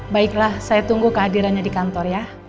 baiklah saya tunggu kehadirannya di kantor ya